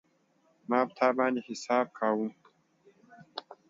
ما په تا باندی حساب کاوه